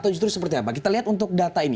betul seperti apa kita lihat untuk data ini